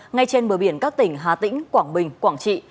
ngay trên bờ biển các tỉnh hà tĩnh quảng bình quảng trị